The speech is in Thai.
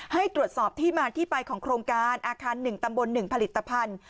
ให้ตรวจสอบที่มาที่ไปของโครงการอาคาร๑ตำบล๑ผลิตภัณฑ์